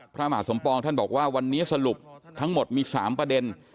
พระมหาสมปองท่านบอกว่าวันนี้สรุปทั้งหมดมี๓ประเด็น